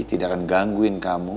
tidak akan gangguin kamu